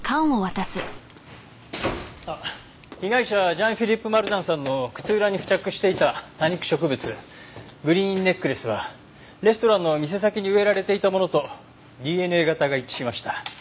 あっ被害者ジャン・フィリップ・マルタンさんの靴裏に付着していた多肉植物グリーンネックレスはレストランの店先に植えられていたものとＤＮＡ型が一致しました。